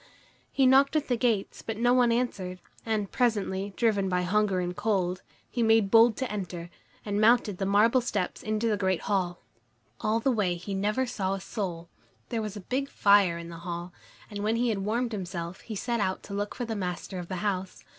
He knocked at the gates, but no one answered, and presently, driven by hunger and cold, he made bold to enter, and mounted the marble steps into the great hall. All the way he never saw a soul. There was a big fire in the hall, and when he had warmed himself, he set out to look for the master of the house.